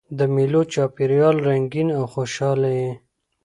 د مېلو چاپېریال رنګین او خوشحاله يي.